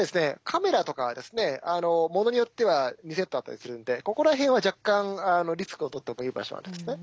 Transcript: カメラとかはものによっては２セットあったりするんでここらへんは若干リスクをとってもいい場所なんですね。